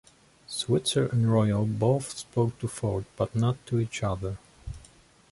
Switzer and Royal both spoke to Ford but not to each other.